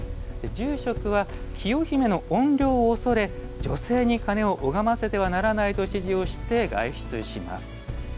住職は清姫の怨霊を恐れ女性に鐘を拝ませてはならないと指示をして外出します。